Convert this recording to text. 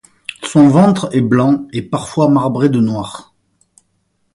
Son ventre est blanc et parfois marbré de noir.